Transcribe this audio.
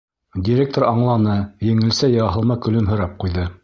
Директор аңланы, еңелсә яһалма көлөмһөрәп ҡуйҙы.